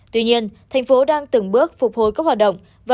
tuy nhiên thành phố đang từng bước phục hồi các hoạt động